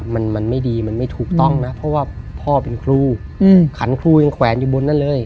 มันมันไม่ดีมันไม่ถูกต้องนะเพราะว่าพ่อเป็นครูขันครูยังแขวนอยู่บนนั้นเลย